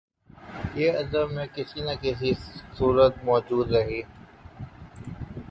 یہ ادب میں کسی نہ کسی صورت موجود رہی